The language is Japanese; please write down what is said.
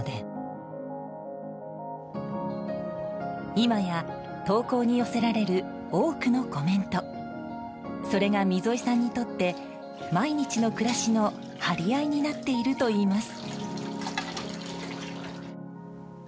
今や、投稿に寄せられる多くのコメントそれが溝井さんにとって毎日の暮らしの張り合いになっているといいます。